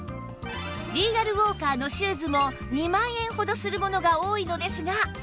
リーガルウォーカーのシューズも２万円ほどするものが多いのですが